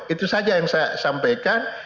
itu saja yang saya sampaikan